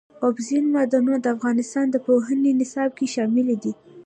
اوبزین معدنونه د افغانستان د پوهنې نصاب کې شامل دي.